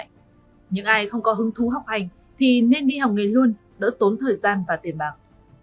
những ai không có hứng thú học hành thì nên đi học nghề luôn đỡ tốn thời gian và tiền bạc